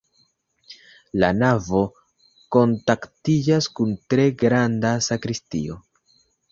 La navo kontaktiĝas kun tre granda sakristio.